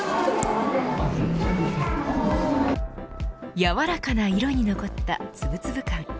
柔らかな色に残ったつぶつぶ感